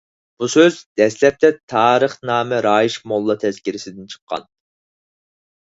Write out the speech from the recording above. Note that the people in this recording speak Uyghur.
بۇ سۆز دەسلەپتە «تارىخنامە رايىش موللىلار تەزكىرىسى»دىن چىققان.